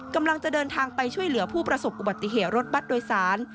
กำลังจะเดินทางไปช่วยเหลือผู้ประสบอุบัติเหตุรถบัตรโดยสาร